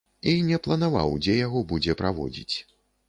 І не планаваў, дзе яго будзе праводзіць.